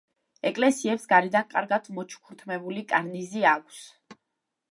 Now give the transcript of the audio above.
ეკლესიებს გარედან კარგად მოჩუქურთმებული კარნიზი აქვს.